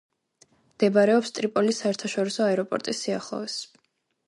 მდებარეობს ტრიპოლის საერთაშორისო აეროპორტის სიახლოვეს.